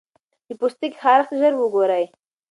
د پوستکي خارښت ژر وګورئ.